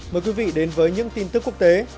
mời quý vị đến với những tin tức quốc tế